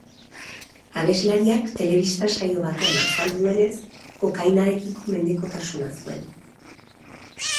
Abeslariak telebista-saio batean azaldu duenez, kokainarekiko mendekotasuna zuen.